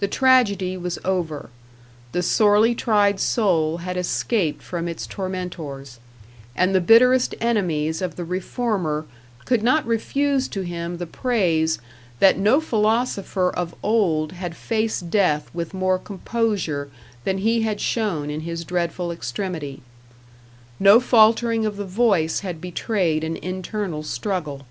The tragedy was over; the sorely tried soul had escaped from its tormentors, and the bitterest enemies of the reformer could not refuse to him the praise that no philosopher of old had faced death with more composure than he had shown in his dreadful extremity. No faltering of the voice had betrayed an internal struggle.